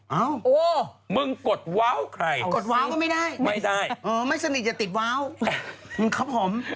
โอ้โหมึงกดเว้าใครกดเว้าก็ไม่ได้ไม่ได้ไม่สนิทจะติดเว้าครับผม